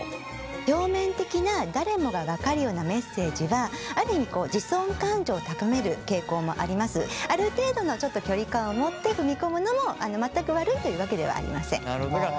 表面的な誰もが分かるようなメッセージはある意味ある程度の距離感を持って踏み込むのも全く悪いというわけではありません。